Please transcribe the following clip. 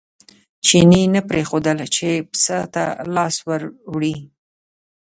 چیني نه پرېښودل چې پسه ته لاس ور وړي.